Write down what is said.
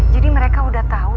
jadi mereka udah tau